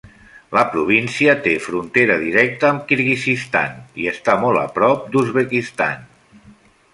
La província té frontera directa amb Kirguizistan i està molt a prop d'Uzbekistan.